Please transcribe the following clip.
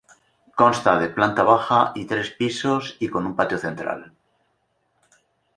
Consta de planta baja y tres pisos y con un patio central.